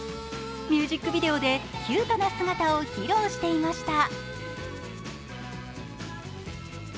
ミュージックビデオでキュートな姿を披露していました。